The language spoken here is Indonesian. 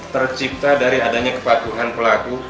tercipta dari adanya kepatuhan pelaku